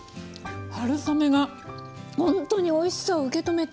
春雨がほんとにおいしさを受け止めて。